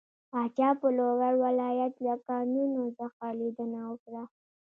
پاچا په لوګر ولايت له کانونو څخه ليدنه وکړه.